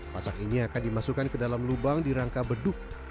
pasak ini akan dimasukkan ke dalam lubang di rangka beduk